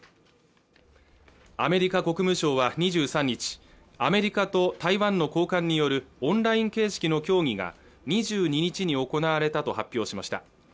アメリカ国務省は２３日アメリカと台湾の高官によるオンライン形式の協議が２２日に行われたと発表しました